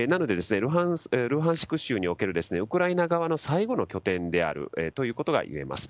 なので、ルハンスク州におけるウクライナ側の最後の拠点であるといえます。